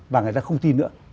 và người ta không tin nữa